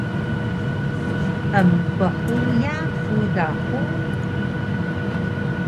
Emphuya ku da hug?